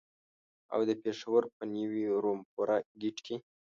او د پېښور په نیو رمپوره ګېټ کې.